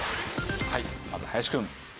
はいまず林くん。